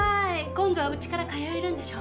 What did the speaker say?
今度はうちから通えるんでしょ？